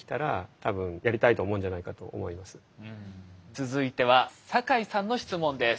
続いては坂井さんの質問です。